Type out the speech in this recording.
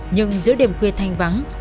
nhưng giữa đêm khuya thanh vắng